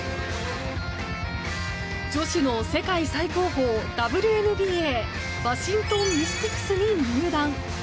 女子の世界最高峰ＷＮＢＡワシントン・ミスティクスに入団。